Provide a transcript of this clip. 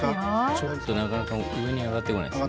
ちょっとなかなか、上に上がってこないですね。